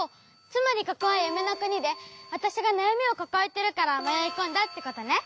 つまりここはゆめのくにでわたしがなやみをかかえてるからまよいこんだってことね？